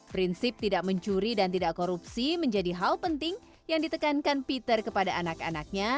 prinsip tidak mencuri dan tidak korupsi menjadi hal penting yang ditekankan peter kepada anak anaknya